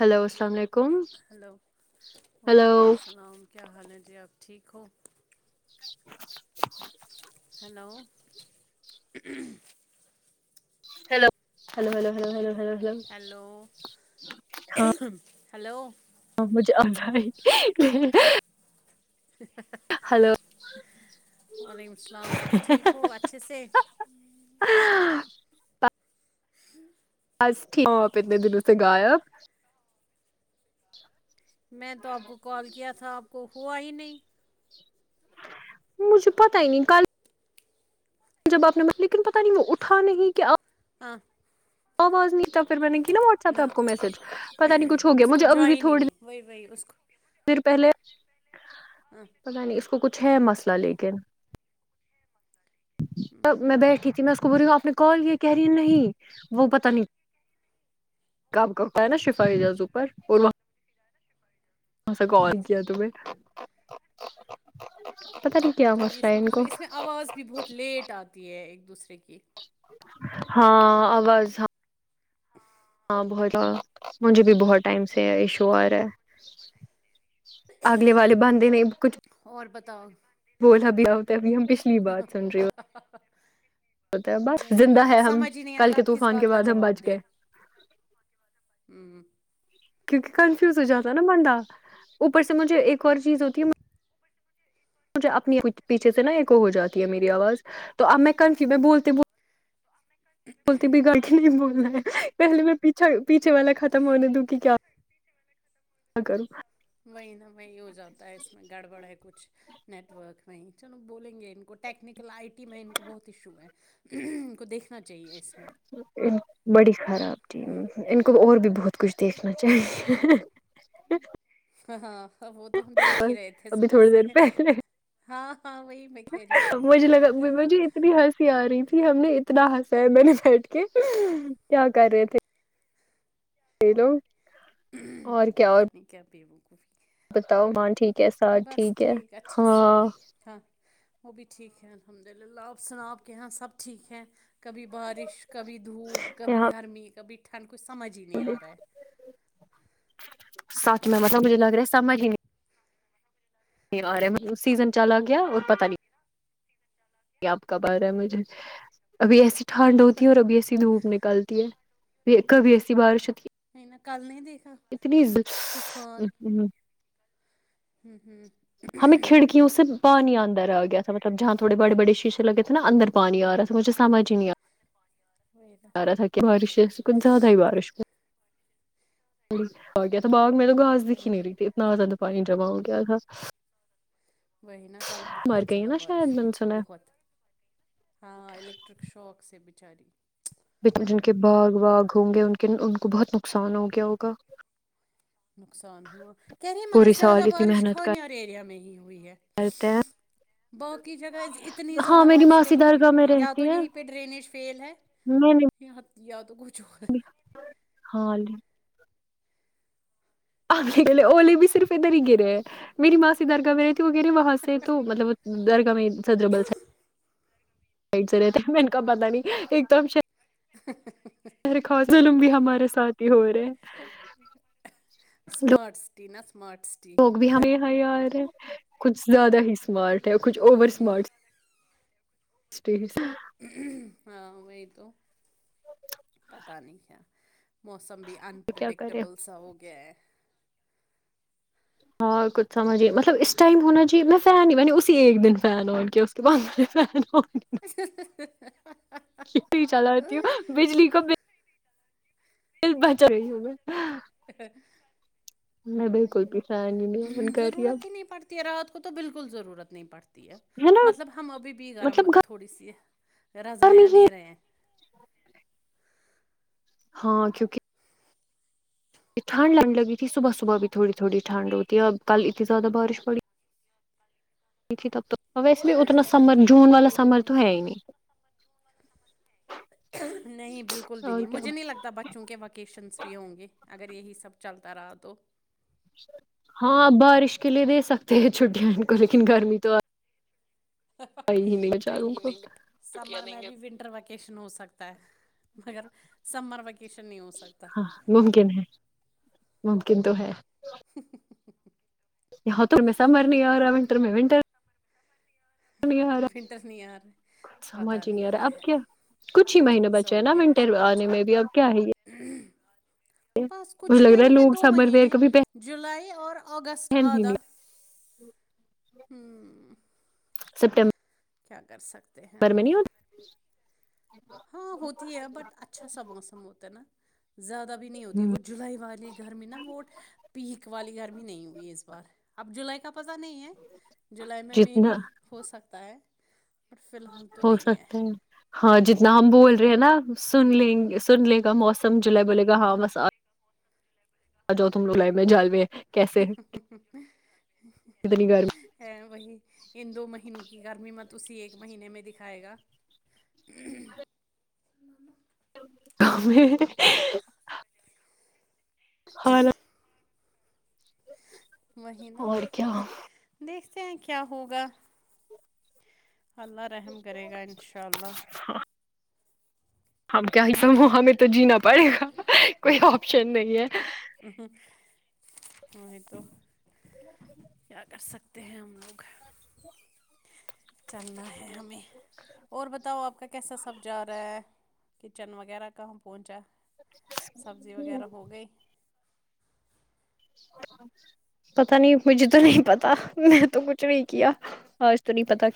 hello سامنے hello وعلیکم السلام کیا حال ہے جی آپ سیکھو [inaudible] ہوں hello hello hello hello hello hello hello ہاں ہلو ہاں مجھے آ ہے اچ ہلو وعلیکم السلام آپ ٹھیک ہو اچھے سے [inaudible] بس ٹھیک آپ اتنے دنوں سے گایا میں تو آپ کو کال کیا تھا آپ کو ہوا ہی نہیں مجھے پتا ہی نہیں کل جب آپ نے مت لیکن پ نہیں وہ اٹھا نہیں کہ ہاں آپ وہ باز نہیں تب میں نے کی نا واٹس ایپہ نہ آپ کو میسج پتاہ نہیں کچھ ہویا اس کو مجھے ابھی بھی جوائن ہی تھوڑ دیر نہیں وہی وہی اس کو پھر پہلے ہاں پت نہیں اس کو کچھ ہے اچھا مسئلہ لیکن سب میں بیٹھی تھی مس ب آپ نے کال کیا کہہ رہی نہیں وہ پت نہیں کاتا ہے نا شفائی جاز اوپر ماںس سے کال کیا اچھا تمہیں پتا کیا پتہ نہیں مسئلہ اس ہے میں ان کو کچھ اس میں آواز بھی بہت لیٹ آتی ہے دوسرے کی ہاں ہاں آواز ہاں ا ہاں بہت مجھے بھی بہت ٹائم سے ایشو آ رہا ہے اگلے والے بانندے نہیں کچھ اور بتاؤ بلا ا بھی آتا ہےب ہم پچھلی بات سن رہی ہو س بس وہی نا زندہ پھر ہے ہم سمجھ ہی نہیں کل آتا کے آپ کس طوفان کے بات کا بعد ہم جواب بچ دیں گئے ہوں کیونکہ کنفیوز ہو جاتا ہے نا بندہ اوپر سے مجھے ایک اور چیز ہوتی ہے مجھے اپنی پیچھے سے نا ایک ہو جاتی ہے میری آواز تو اب میں کنفیو میں بولتی بول بولنا پہلے پیچھا پیھے والا کھ ت م نے دک کیا کیا کرو وہی نا وہی ہو جاتا ہے اس وہ چلو بولیں گے ان کو ٹیکنیکل آئی ٹی میں ان کو بہت ایشو ہے ان کو دیکھ بڑی خراب ان کو اور بھی بہت کچھ دیکھنا چاہیے ہاں ہاں وہ تو ہم دیکھ بس ہی رہے تھے ابھی صبح تھوڑی سے دیر پہلے ہاں ہاں وہی میں کہہ رہی مجھے لگا مجھے اتنی ہنسی آ رہی تھی ہم نے اتنا ہنسایا میں نے بیٹھ کے کیا کر رہے تھے ہیلو پتا نہیں کیا پیوں بتاؤ ہاں ٹھیک ہے ساتھ بس ٹھیک ہے ہاں وہب بھی ٹھیک ہے الحمد للہ آپ سناؤ کہ سب ٹھیک ہے کبھی بارش کبھی دھوپ کبھی یہاں گرمی کبھی تل کوچھ سمجھ ہی نہیں آ رہا ہے سچ میں متب مجھے لگ رہا سمجھ ہی نہیں آ رہا سیزن چلا گیا اور پت نہیں آپ کا بار ہے مجھے ابھی ایسی ٹھڈ ہوتی ہے اور ابھی ایسی دھوپ نک نکالتی ہے کبھی ایسی بارش ہوتی ہے نہیں کل نہیں دیک اتنی ہ انھوہ نی ہمیں کھڑکیوں سے پانی اندر آ گیا تھاطلب جہاں تھوڑے بڑے بڑےیے لگے نا اندر پانی آ ہوں رہا تھا ہوں مھ سمج نہیں آا وہی نا سارا تھا کہ بارشکن زیادہ ہی بارش کو جیی آ گیا تھا بغ میں ہوں تو گاس وہی دکھ نا ہی نہیں رہی تھی اتنا زیادہ پانی جاؤ کیا تھا وہی نا کل مر بہت گئی ہے زیادہ نا بارش شاید میں ہوئی نے تھی سنا ہے بہت ہاں الیکٹرک شوق سے بھی چاری بچ جن کے باغ واغ ہوں گے ان کے ان کو بہت نقصان ہو گیا ہوگا نقصان ہوا کہہ رہی ہیں مگر پورے زیادہ سال اتنی بارش محنت کر کانار ایریا میں ہی ہوئی ہے کرتے ہیں باقی جگہ اتنی ہاں زیادہ میری بارش ماسی کہیں نہیں درگاہ ہوئی میں ہے یا رہتی تو یہیں پہ ڈرینیج فیل ہے میں نے یا یا تو گ جوڑ ہاں لے آے اولیے بھی صرف ادھر ہی گرے ہیں میری ماں سے درگاہ میرے وغیرہ وہاں سے تو مطلب در کا میں سدربل س سے رہتے م کا پتاہ نہیں ایک دم [inaudible] رلم بھی ہمارے سات ہی ہو رہے ہیں اسمارٹس تین لوگ بھی ہمیں ہائی آ رہے ہیں کچھ زیادہ ہی سمارٹ کچھ اورور سمارٹس جی ہاں وہ تو پتا نہیں ہے موسم بھی کیا کرے انپرڈکٹیبل سا ہو گیا ہے ہاں کچھ سمجھھیے مطلب اس ٹائم ہونا جی میں فین ہی میں نے اسی ایک دن فین ہو ان کے اس کے بعد فین ہو کیا چلاتی دل بچا گئی ہمیں میں بالکل بھی فین ہی نہیں آن کر رہی ضرورت اب ہی نہیں پڑتی ہے راحت کو تو بالکل ضرورت نہیں پڑتی ہے مطلب ہم ابھی بھی گرم مطلب تھوڑی سی گھر میں رضایںں ہی لیےیریں ہیں ہاں کیونکہ یہ ٹھنڈ لگنے لگی تھی صبح صبح بھی تھوڑی تھوڑی ٹھنڈ ہوتی ہے اورب کل اتنی زیاہ بارش پڑی د تھی تب تو اور ویسے بھی اتنا سمر جون والا سمر تو ہے ہی نہیں نہیں بالکل بھی اور نہیں کیا مجھے نہیں لگتا بچوں کے وکیشنس بھی ہوں گے اچھا اگر یہی سب چلتا رہا تو ہاںپ بارش کے لیے دے سکتے ہیں چھٹیاں ان کو لیکن گرمی تو آئی ہی نہیں بچاروں کو نہیں س یش ہو سکتا م س ویکیشن ہاں ممکن ہے ممکن تو ہے یہاںت ر میں سمر نہیں ارا ونٹر میں ونٹر نہیں آ رہا ونٹر نہیں آ رہے سمجھ پتا ہی نہیں آ کیا رہا اب ہے کچھ ہی مہینے عجیب سا بچے ہیں ہو نا گیا ہے ونٹر سب کچھ آنے میں بھی اب کیا یہ ہے بس کچھ مجھے ہی لگ رہا ہے مہینے کے لوگ دو سمر ویئر مہینے کبھی جولائی اور اگست پہن ہی آدھا نہیں ہ سپٹمبر کیا کر سکتے ت ہیں ہم میں نہیں ہوتا ہاں ہوتی ہے بٹ اچھا سا موسم ہوتا ہے نا زیادہ بھی نہیں ہوتی وہ جولائی والی گرمی نا وہ پیک والی گرمی نہیں ہوئی ہے اس بار اب جولائی کا پتہ نہیں ہے جولائی میں مے جتنا بھی ہو سکتا ہے بٹ فی الحال تو ہو نہیں سکتا ہے ہاں جتنے نام بول رہے ہیں نا سن لیں گے سن لے گا موسم تم جل بولے گا ہاں بس آ جاؤ تم لوگ جال میں کیسے اتنی گرمی ہے وہی ان دو مہینوں کی گرمی مت توی ایک مہینے میں دکھائے گا ہوں ا [inaudible] خال وہینا اور کیا دیکھ ہیں کیا ہوگا اللہ رحم کرے گا انشاء اللہ ہم کیا ہی سہ ہمیں تو جینا پڑے گا کوئی آپشن نہیں ہے نہیں تو کیا کر سکتے ہیں ہم لوگ چلنا ہے ہمیں اور بتاؤ آپ کا کیا کیسا سب چارہ کچن وغیرہ کہاں پہنچا سبزی وغیرہ ہو گئی پتا نہیں مجھے تو نہیں پتا میں تو کچھ نہیں کیا آج تو نہیں پتا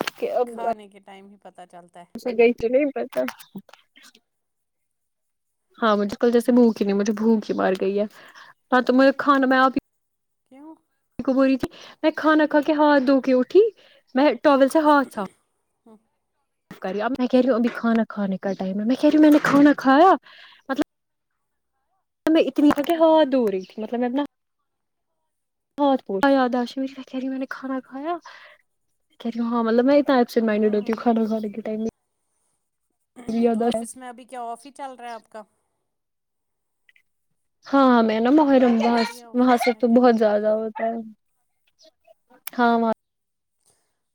کھانے کے ٹائم ہے پتہ چلتا اسے گئی ت نہیں بتا ہاں مجھے کل جیس بوک نہیں مجے بھوک مار گئی ہے ہاں تو مجھے کھانا میں آپ کیوں کو بول رہی تھی میں کھانا کھا کے ہاتھ دھو کے اٹھی میں ٹرول سے ہاں اچھا کری اب میں کہریو ابھی کھانا کھانے کا ائم ہے میں کہریو میں نے کھانا کھایا مطلب میں اتنی ہات د ہو رہی تھی مطلب میںنا بہت ب یاد آش کہہ رہی ہ میں نے کھانا کھا کہہ رہی ہوں ہاں مطلب میں ر مائنی رتی خانا گ کی ائم میں یاد [inaudible] ہاںاں میں نا محرم ابھی وہاں آف ہی ہے وہاں سے آفس میں تو کہ بہت نہیں زیادہ ہوتا ہے ہاں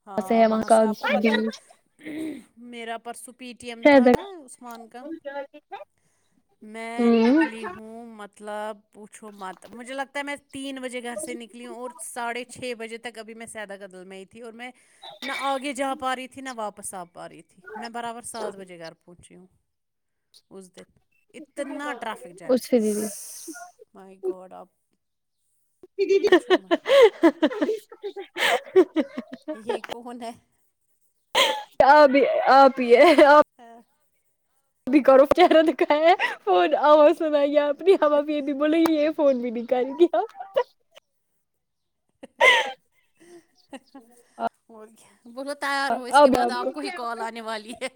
ہاں ہے وہاں کا سے آپ کو پت ہے ہوں میرا پرست پی ٹی ایم تھا نا عثمان کا میں نکلی ہوں مت مطلب پوچھو مت مجھے لگتا ہے میں تین بجے گھر سے نکلی ہوں اور ساڑھے چھ بجے تک بھی میں سیادہ قدل میں ہی تھی اور میں نہ آگے جا پا رہی تھی نہ واپس پساب پا رہی تھی میں برابر سات بجے گھر پہنچی ہوں ازدت اتنا ٹریافک جام اس سے دیدی مائی گوڈ آ ج کو ہون ہے آپ آپیے ہاں بھی کرو پرا دک ہے ف آواز سنائی آپ بھی خابا بھییے د بول ہی فون بھی نہیں کر کیایا اور بولو تیار ہو اس کے بعد آپ کو ہی کال آنے والی ہے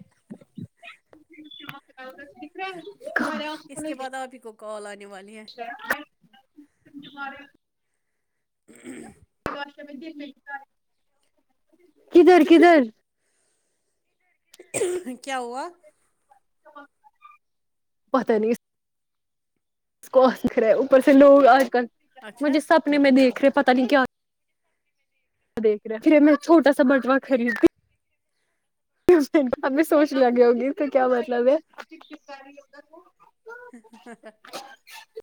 بولو دکھ اس کے بعد آپ ہی کو رہے کال آنے والی ہے ہیںارے آ کدھر کدھر کیا ہوا پتا نہیں اسکر ہے اوپر سے لوگ آج کل مجھے اچھا سپنے میں دیکھ کرپت نہیںک کیا دیکھ رہے پھر ہم میں چھوٹا سا بٹوا خریدتی ہمیں سوچ لگی ہوگی اس کا کیا مطلب ہے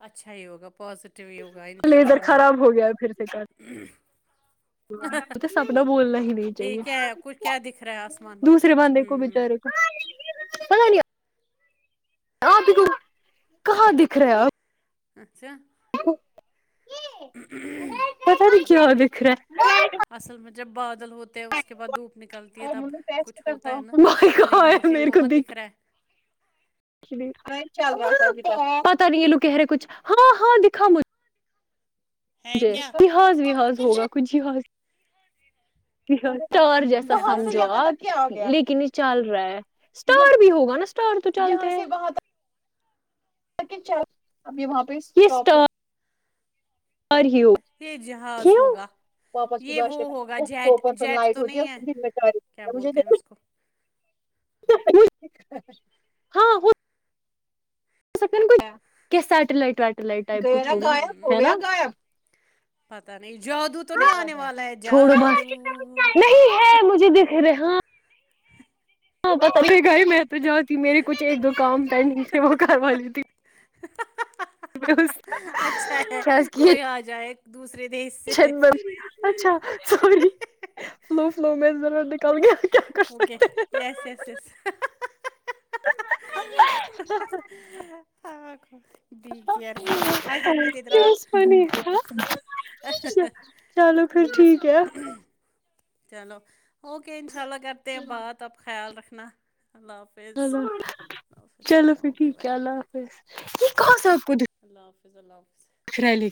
اچھا ہی ہوگا پاز لیزر خراب ہو گیا پھر سے کل م تو سپنا بولنا ہی نہیں یہ کیا ہے کچھ چاہیے کیا دکھ رہا ہے آسمان دوسرے بندے میں کو ہوں بچارے کو پ نہیں آپ کہاں دکھ رہے آپ اچھا ہ پتاہ تو کیا بکھرا ہے جبعات بدل ہوتے ہیں اس کے بعد دھوپ نکلتی ہے تب کچھ ہوتا ہے نا بھائی کہاں ریمبو شیمبو م دکھ رہا ہے پتا نہیں ہے لو کہہ رہے کچھ ہاں ہاں دکھا مجھ ہے ج کیا جحاز وحااز ہوگا کھ جاز ج س اسٹار جیسا جہاز ہمج ہے لیک نہیں چل رہا ہے اسٹار بھی ہوگا نا اسٹار تو چتا لیکن چ اب یہ وہاں پہ یہٹر ہی یہ جہاز ہوگا واپس کی یہ وہ ہوگا جیٹ بادشاہ جیٹ لائٹ تو ہوتی نہیں ہے کیا بولتے ہیں ہےجھ اس کو ہاں وہ س کو سیلائٹ ویٹلائٹ گیرا گغائبا گایاب پتاہ چھوڑو بس نہیں ہے مجھے دکھ رہے ہاں ہ ب گئے میں تو جاتی میرے کچھ ایک دو کام پینڈنگ سےے وہ کروا لیی تھی اچھا ہے کیز کی [unintelligible] کوئی آ جائے دوسرے دیش چن سے اچھا سور سو فلو مذر اوکے یس یس یس [unintelligible] آ کو چلو پھر ٹھیک ہے چلو اوکے انشاء اللہ کرتے ہیں بات اپ خیال رکھ و لو چلو حافظ پھر اوکے ٹھیک بائے ہے اللہ حافظ ج کو س اللہ حافظ فض ال آ ارلی